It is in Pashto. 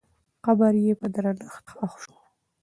قبر یې په درنښت ښخ سو.